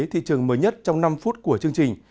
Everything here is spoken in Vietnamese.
thị trường mới nhất trong năm phút của chương trình